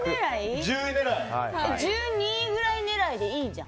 １２位くらい狙いでいいじゃん。